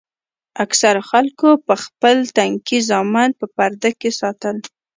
اکثرو خلکو به خپل تنکي زامن په پرده کښې ساتل.